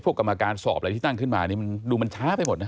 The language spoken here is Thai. กรรมการสอบอะไรที่ตั้งขึ้นมานี่มันดูมันช้าไปหมดนะ